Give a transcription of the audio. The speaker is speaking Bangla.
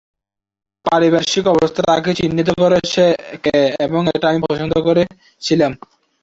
তার পারিপার্শ্বিক অবস্থা তাকে চিহ্নিত করে সে কে এবং এটা আমি পছন্দ করেছিলাম।